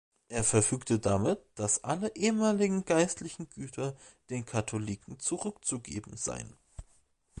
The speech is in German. Er verfügte damit, dass alle ehemaligen geistlichen Güter den Katholiken zurückzugeben seien.